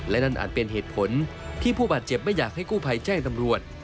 และนั่นอาจเป็นเหตุผลที่ผู้บาดเจ็บไม่อยากให้กู้ภัยแจ้งตำรวจ